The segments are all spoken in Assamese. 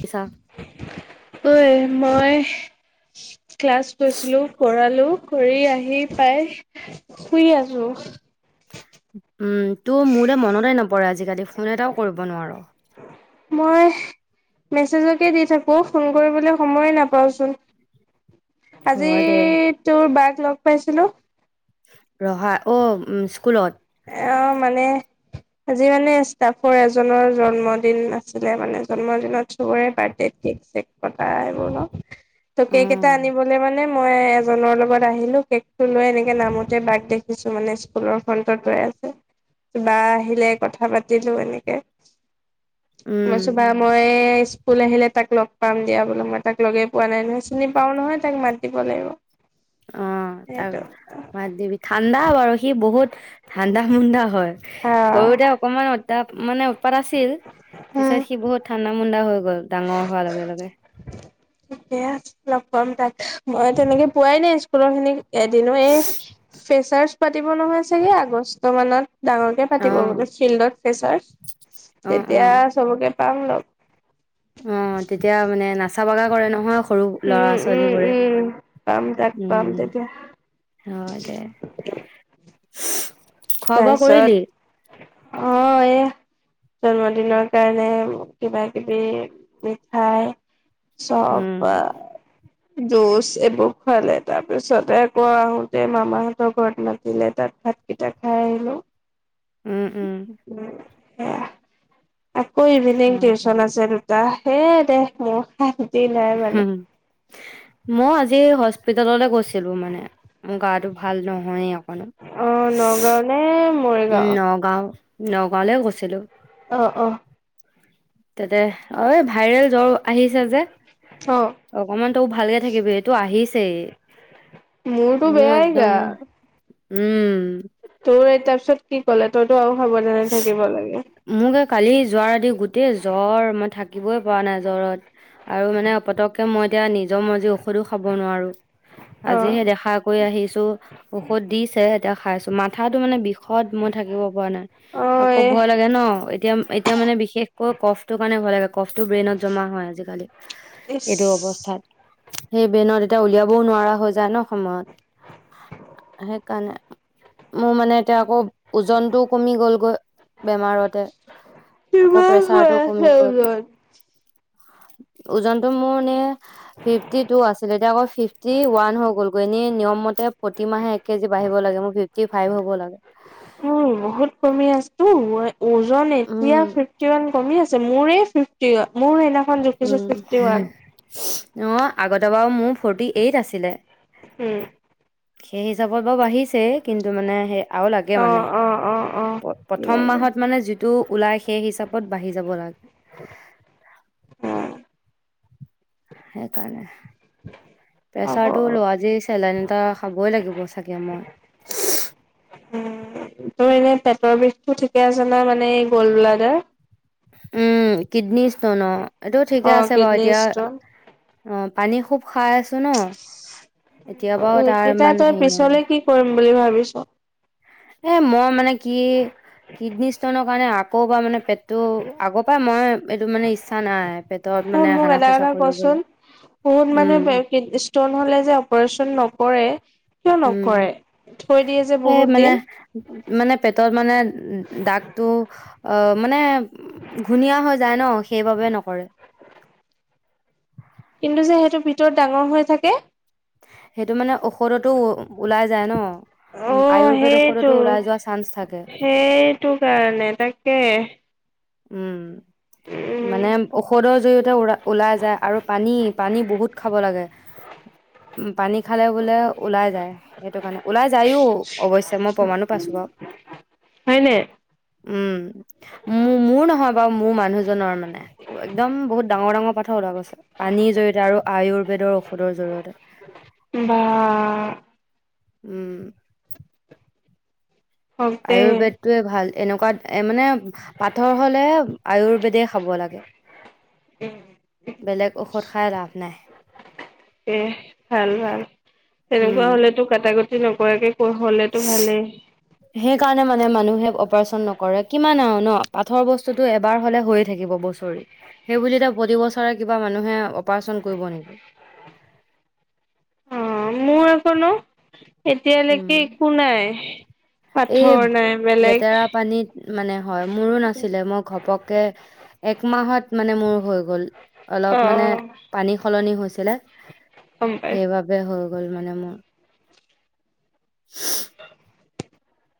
কিছা ঐ মই ক্লাছ গৈছিলোঁ, কৰালোঁ। কৰি আহি পাই শুই আছোঁ। উম। তোৰ মোলৈ মনতে নপৰে আজিকালি? ফোন এটাও কৰিব নোৱাৰ। মই মেছেজকে দি থাকোঁ । ফোন কৰিবলৈ সময় নাপাওঁচোন। আজি হয় দে তোৰ বাৰ্দ লগ পাইছিলোঁ। ৰহা অ' উম স্কুলত এ অ' মানে আজি মানে ষ্টাফৰ এজনৰ জন্মদিন আছিলে মানে। জন্মদিনত চবৰে বাৰ্থডেত কেক-চেক কটা এইবোৰ ন' তো অ কেক এটা আনিবলৈ মানে মই এজনৰ লগত আহিলোঁ, কেকটো লৈ এনেকে নামোতে বাক দেখিছোঁ, মানে স্কুলৰ সন্মুখত ত ৰৈ আছে । বা আহিলে, কথা পাতিলোঁ এনেকে। উম মইচো বা মই স্কুল আহিলে তাক লগ পাম দিয়া বোললে মই তাক লগেই পোৱা নাই নহয় চিনি পাও নহয় তাক মাত দিব লাগিব অ তাৰ সেইটো আহ মাত দিবি ঠাণ্ডা বাৰু সি বহুত ঠাণ্ডা মুন্দা হয়। সৰুতে অকমান তাত মানে উৎপাত আছিল। উম পিছে সি বহুত ঠাণ্ডা মণ্ডা হৈ গ'ল ডাঙৰ হোৱাৰ লগে লগে ঠিকে আছে লগ পাম তাক মই তেনেকে পোৱাই নাই স্কুলৰ খিনিক। এদিনো এই ফেচাৰ পাতিব নহয় চাগে আগষ্ট মানত। ডাঙৰ কে অ পাতিববোলে ফিল্ডত প্ৰেচাৰ অ অ তেতিয়া চবকে পাম ন অ তেতিয়া মানে নাচ টা বগা কৰে নহয়। সৰু ল'ৰা উম উম ছোৱালীবোৰে উম পাম তাক পাম উম তেতিয়া হয় দে খোৱা বোৱা কৰিলি তাৰপিছত অহ এ জন্মদিনৰ কাৰণে কিবা কিবি মিঠাই উম চপা জুচ এইবোৰ খুৱালে তাৰ পিছতে আকৌ আহোতে মামাহতৰ ঘৰত মাতিলে তাত ভাত কেইটা খাই আহিলো উম উম আহ আকৌ ইভিনিং হয় টিউচন আছিল। য হে দে মোৰ খাই হম মই আজি আজি হস্পিতাললে গৈছিলো মানে মোৰ গা টো ভাল নহয়ে। অ নগাঁও নে উম মৰিগাঁও নগাও নগাঁওলে গৈছিলো। অ অ তাতে অ ভাইৰেল জ্বৰ আহিছে যে অ অকমান তই ভালকে থাকিবি এইটো আহিছেই মোৰতো মোৰ বেয়াই গা একদম উম দৌ তাৰ পিছত কি ক'লে তইতো আৰু সাৱধানে থাকিব লাগে মোক এ কালি যোৱাৰ ৰাতি গোটেই জ্বৰ মই থাকিবই পৰা নাই জ্বৰত আৰু মানে পতককে মই এতিয়া নিজৰ মজি ঔষধো খাব নোৱাৰো অ আজিহে দেখা কৰি আহিছো ঔষধ দিছে এতিয়া খাইছো মাথাতটো মানে বিষ সদ মই থাকিব পৰা নাই অ আকৌ এ ভয় লাগে ন এতিয়া এতিয়া মানে বিশেষকৈ কফটোৰ কাৰণে ভয় লাগে কফটো ব্ৰেইনত জমা হয় আজিকালি ইচ এইটো অৱস্থাত সেই বেনত এতিয়া উলিয়াবও নোৱাৰা হৈ যায় ন সময়ত সেইকাৰণে মোৰ মানে এতিয়া আকৌ ওজনটো কমি গ'লগৈ বেমাৰতে আকৌ কিমান হৈ প্ৰেচাৰটো আছে কমি গ'ল ওজন ওজনটো মোৰ এনেই ফিফটি টো আছিল এতিয়া আকৌ ফিফটি ৱান হৈ গল এনে নিয়ম মতে প্ৰতি মাহে এক কেজি বাঢ়িব লাগে মই ফিফটি ফাইভ হব লাগে উম বহুত কমি আছো মই ওজন এতিয়া উম ফিফটিৱান কমি আছে মোৰে ফিফটি হয় মোৰ সেই উ অ আগতে বাৰু মোৰ ফৰ্টি এইট আছিলে উম, সেই হিচাপত বাৰু বাঢ়িছে । কিন্তু মানে সেই আৰু লাগে অ', মানে অ', অ', অ'। প্ৰথম লাগে মাহত মানে যিটো ওলাই সেই হিচাপ ক'ত বাঢ়ি যাব লাগে সেইকাৰণে হ'ব প্ৰেচাৰটো লোৱা যি চেলন এটা খাবই লাগিব চাগে মই উম, তোৰ এনে পেটৰ বিষটো ঠিকে আছেনে মানে গ'ল ব্লাডাৰ উম কিডনী ষ্টন অ এইটো ঠিকে অ', আছে বাৰু কিডনী এতিয়া ষ্টন অ পানী খুব খাই আছো ন এতিয়া বাৰু তাৰ এইকেইটা ইমান তই হেৰি নাই পিছলে কি কৰিম বুলি ভাবিছ? এ মই মানে কি কিডনী ষ্টনৰ কাৰণে আকৌ বা মানে পেটটো আগৰ পৰাই মই এইটো মানে ইচ্ছা নাই পেটত তই মানে মোক হানা এটা খোচা কথা কৰি কচোন লবলৈ বহুত উম মানুহে কিডনী ষ্টন হ'লে যে অপাৰেচন নকৰে কিয় উম নকৰে? থৈ দিয়ে যে এই বহুত মানে দিন। মানে পেটত মানে দাগটো আহ মানে ঘোনীয়া হৈ যায় ন সেইবাবে নকৰে কিন্তু যে সেইটোৰ ভিতৰত ডাঙৰ হৈ থাকে সেইটো মানে অ ঔষধতো ওলাই যায় ন অ' আয়ুৰ্বেদ সেইটো ঔষধতো ওলাই যোৱা চান্স থাকে সেইটো কাৰণে তাকে উম মানে উম ঔষধৰ জৰিয়তে ওলাই যায় আৰু পানী পানী বহুত খাব লাগে পানী খালে বোলে ওলাই যায় সেইটো কাৰণে ওলাই যায়ো অৱশ্যে মই প্ৰমাণো পাইছো বাৰু হয়নে? উ ম মোৰ নহয় বাৰু মোৰ মানুহজনৰ মানে একদম বহুত ডাঙৰ ডাঙৰ পাথৰ ওলোৱা গৈছে পানীৰ জৰিয়তে আৰু আয়ুৰ্বেদৰ ঔষধৰ জৰি়য়তে বাহ উম হওক দে আয়ুৰ্বেদটোয়ে ভাল এনেকুৱা ত মানে পাথৰ হলে আয়ুৰ্বেদে খাব লাগে বেলেগ ঔষধ খাই লাভ নাই দে ভাল ভাল। উম তেনেকুৱা । হলেতো কাটাকটি নকৰাকে হলেতো ভালেই সেইকাৰণে মানে মানুহে অপাৰচন নকৰে কিমান আৰু ন পাথৰ বস্তুটো এবাৰ হলে হৈয়ে থাকিব বছৰিত সেইবুলি প্ৰতি বছৰে কিবা মানুহে অপাৰচন কৰিব নেকি? অ মোৰ আখন নো উম এতিয়ালৈকে একো নাই এই পাথৰ নাই বেলেগ লেতেৰা পানীত মানে হয় মোৰো নাছিলে মই ঘপকে এক মাহত মানে মোৰ হৈ গ'ল অলপ মানে অ' পানী সলনি হৈছিলে গম পাইছো। সেইবাবে হওক গল মানে মোৰ [inaudible]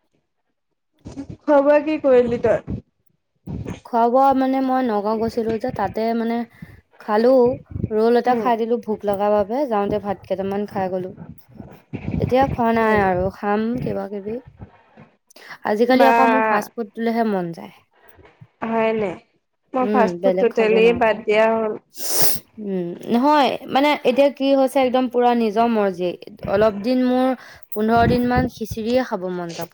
খোৱা বোৱা কি কৰিলি তই? খোৱা বোৱা মানে মই নগাও গৈছিলো যে তাতে মানে খালো ৰল এটা খাই দিলো ভোক লগা বাবে যাওঁতে ভাত কেইটামান খাই গলো। এতিয়া খোৱা নাই আৰু খাম। কিবা কিবি আজিকালি আকৌ মোৰ ফাষ্ট ফুড দিলেহে মন। ত [unintelligible] হয়নে মোৰ উম ফাষ্ট বেলেগ ফুডটো খাব তেলেই নোৱাৰোঁ বাদ দিয়া হ'ল। উম নহয় মানে এতিয়া কি হৈছে একদম পুৰা নিজৰ মৰ যে অলপ দিন মোৰ পোন্ধৰ দিন মান খিচিৰিয়ে খাব মন যাব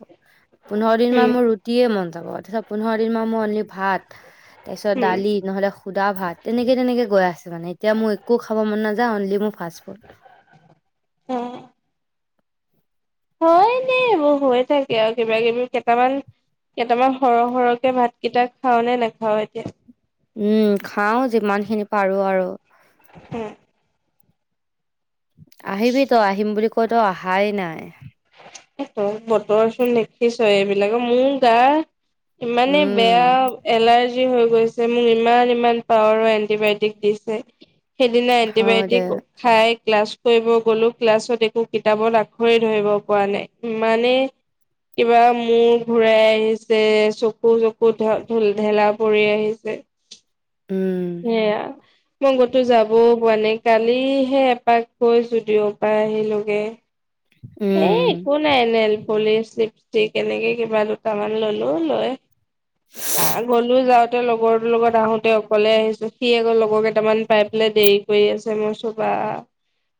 পোন্ধৰ দিন মান মোৰ ৰুটিয়ে মন যাব। যাব তাৰপিছত পোন্ধৰদিন মান মূৰত ভাত উম দালি তাৰপিছত শুদা ভাত তেনেকৈ তেনেকৈ গৈ আছে মানে এতিয়া মোৰ একো খাব মন নাযায় অনলি মোৰ পাছফুড উম হয় নি এইবোৰ হৈ থাকে আৰু কিবা কিবি কেইটামান কেইটামান সৰহ সৰহকে ভাত কেইটা খাও নে নাখাও এতিয়া। উম খাও যিমান খিনি পাৰো আৰু উম । আহিবি তই আহিম বুলি কয়তো অহাই নাই। তই বতৰ চোন দেখিছই এইবিলাকে মোৰ গা ইমানে উম বেয়া এলাৰ্জি। হৈ গৈছে মোক ইমান ইমান পাৱাৰৰ এন্টিবায়টিক দিছে। সেইদিনা হয় দে এণ্টিবায়টিক খাই ক্লাছ। কৰিব গলো ক্লাছত একো কিতাপত আখৰে ধৰিব পৰা নাই। মানে কিবা মূৰ ঘূৰাই আহিছে চকু জকু ধ ঢেলা পৰি আহিছে। উম সেইয়া। মই কতো যাবও পোৱা নাই কালিহে এপাক গৈছো দিঅৰ পৰা আহিলোগে। হে উম একো নাই এনেল পুলি চিপ কেনেকে কিবা দুটামান ললো লৈ হা গ'লো যাওঁ। তে লগৰৰ লগত আহোতে অকলে আহিছো সি আকৌ লগৰ কেইটামান পাই পেলাই দেৰি কৰি আছে মই কৈছোঁ বা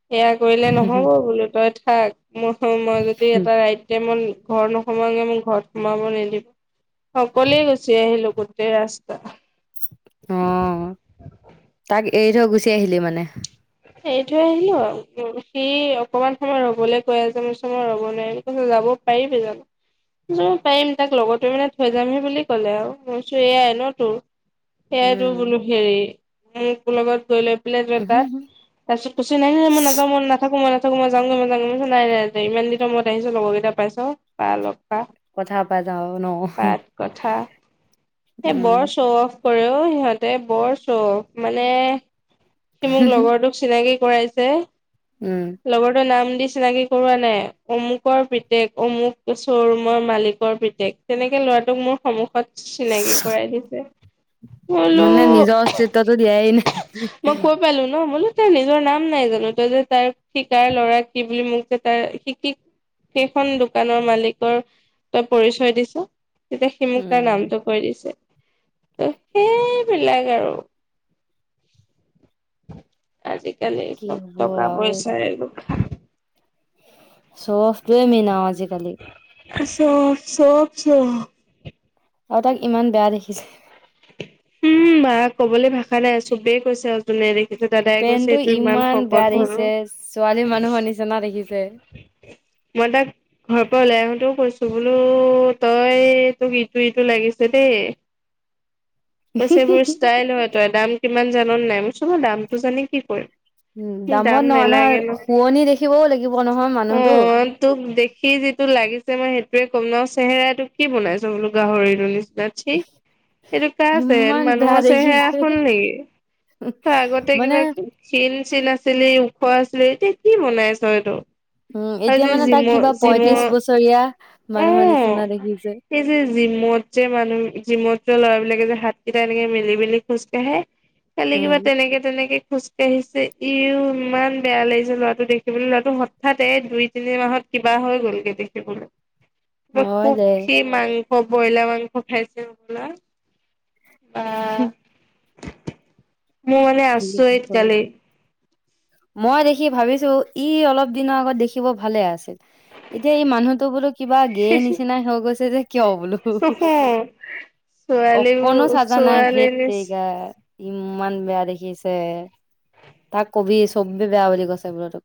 সেইয়া কৰিলে নহ'ব বোলো তই থাক ম মই যদি এটা ৰাইট টাইমত ঘৰ নোসোমওগে মোক ঘৰত সোমাব নিদিব অকলেই গুচি আহিলো গোটেই ৰাস্তা। অ তাক এৰি থৈ গুচি আহিলি মানে। এৰি থৈ আহিলো আৰু সি অকমান সময় ৰবলৈ কৈ আছে মই কৈছোঁ মই ৰব নোৱাৰিম কৈ যাব পাৰিবি জানো কৈছোঁ পাৰিম তাক লগৰটোবে মানে থৈ যামহি বুলি ক'লে আৰু মই কৈছোঁ এয়াই ন তোৰ সেইয়াইটো উম বোলো হেৰি মোক লগত গলে প্লে যাত উহু তাৰ হু পিছত কৈছে ন মই না মই নাথাকো মই মই যামগৈ মই যামৈ ম নাই নাই ইমান দিনৰ মই আহিছো লগৰকেইটা পাইছা অলপ কথা পাতা আৰু ন পাত কথা সেই উম বৰ চখ কৰেও সিহঁতে বৰ শো অফ্ মানে সি মোক লগৰটোক চিনাকি কৰাইছে উম লগৰটোৰ নাম চিনাকি কৰোৱা নাই অমুকৰ পিতেক অমুক চৰুমৰ মালিকৰ পিতেক তেনেকে লৰাটোক মোৰ সন্মুখত চিনাকি কৰাই দিছে মই বোলো মানে নিজৰ অস্তিত্বতটো দিয়াই নাই মই কৈ পালো ন বোলো তাৰ নিজৰ নাম নাই জানো তই যে তাৰ শিকাৰ ল'ৰা কি বুলি মোক যে তাৰ শিকি সেইখন দোকানৰ মালিকৰ তই পৰিচয় দিছ- তেতিয়া সি মোক তাৰ উম নামটো কৈ দিছে ত সেইবিলাক আৰু আজি আজিকালি কি চব হ'ব টকা পইচা শো অফ্ টো মেইন আজিকালি চব চব চ আৰু তাক ইমান বেয়া দেখিছে উম বা ক'বলৈ ভাষা নাই চবেই কৈছে আৰুজোনে দে এয়া দাদাই কৈছে পেনটো এইটো ইমান শকত বেয়া হল দেখিছে ছোৱালী মানুহৰ নিচিনা দেখিছে মই তাক ঘৰৰ পৰা ওলাই আহোতেও কৈছো ত বোলো তই তোক ইটো ইটো লাগিছে দেই পইচবোৰ ষ্টাইল হয় তই দাম কিমান জানন নাই মই চাব দামটো জানি কি উম কৰিম দাম দামত নহয় নহয় নেলাগে ন শুৱনি দেখিবও লাগিব নহয় অ মানুহটো তোক দেখি যিটো লাগিছে মই সেইটো তয়ে ক'ম ন চেহেৰাতটো কি বনাইছ বোলো গাহৰিটোৰ নিচিনা চি কানে [unintelligible] আছে ইমান বেয়া মানুহৰ চেহেৰা দেখিছে হল নেকি ত আগতে কিবা মানে শ্লিম আছিলে ওখ আছিলে এতিয়া কি বনাই আছ এইটো উম, আৰু এতিয়া যে মানে তাক জিমত কিবা পয়ত্ৰিশ জিমত বছৰীয়া অ মানুহৰ নিচিনা দেখিছে। এই যে জিমত যে মানুহ জিমত ল'ৰাবিলাকে যে হাতকেইটা এনেকে মিলি মেলি খোজ কাঢ়ে খালি উম, কিবা তেনেকে তেনেকে খোজকাঢ়িছে ইও ইমান বেয়া লাগিছে ল'ৰাটো দেখিবলৈ ল'ৰাটো হঠাৎ দুই তিনি মাহত কিবা হৈ গ'লগে দেখিবলৈ হয় দে খুখি মং [unintelligible] বইলা মাংস খাইছে হবলা বা হুহ [unintelligible] মই মানে আচৰিত হ'ব। কালি মই দেখি ভাবিছো ই অলপ দিনৰ আগত দেখিব ভালে আছিল। এতিয়া এই মানুহতো বোলো কিবা গেয়ে নিচিনাই হৈ গৈছে যে কিয় বোলো চকু অকণো ছোৱালীবোৰ চাজা নাই ছোৱালী ঢেত নিচ তেৰিকা ইমান বেয়া দেখি দিছে তাক কবি চবে বেয়া বুলি কৈছে বোলে তোক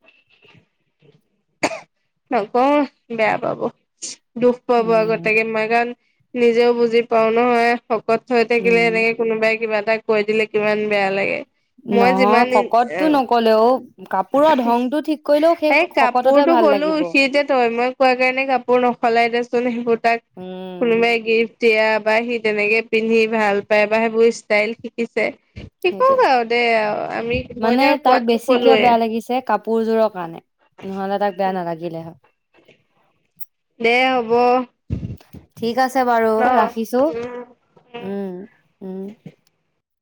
নকওঁ বেয়া পাব দুখ পাব উম, আগতোকে ম গান নিজেও বুজি পাও নহয় শকত থৈ থাকিলে উম। এনেকে কোনোবাই কিবা তাক কৈ দিলে কিমান বেয়া লাগে মই নহয় যিমান শকতটো এই নকলেও কাপোৰৰ ধংতটো ঠিক কৰিলেও সেই শকত কাপোৰতো ক'লো সি যে তই মই কোৱা কাৰণে কাপোৰ নখলাই দেচোন সেইবোৰ তাক উম, কোনোবাই গিফট দিয়া বা সি তেনেকে পিন্ধি ভাল পায় বা সেইবোৰ ষ্টাইল শিকিছে সেইটোৱে শিকক আৰু দে আৰু আমি মই মানে এতিয়া তাক কোৱাতো বেছি কিয় কলোৱে বেয়া লাগিছে কাপোৰযোৰৰ কাৰণে নহলে তাক বেয়া নালাগিলে হয় দে হ'ব ঠিক আছে বাৰু ন ৰাখিছো উম উম উম